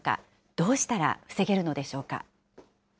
どうしたら防げるのでしょうか。